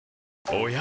おや？